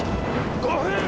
５分！